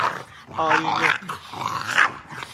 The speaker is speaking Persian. آیینه